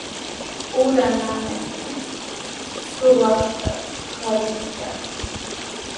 Ura naanitrawmi suqakuqta chariskiyashqa.